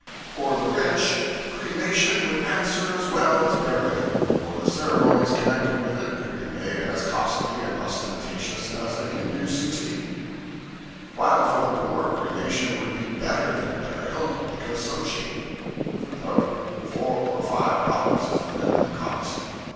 For the rich, cremation would answer as well as burial; for the ceremonies connected with it could be made as costly and ostentatious as a Hindu suttee; while for the poor, cremation would be better than burial, because so cheap {footnote [Four or five dollars is the minimum cost.